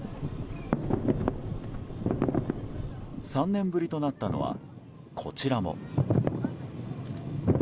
３年ぶりとなったのはこちらも。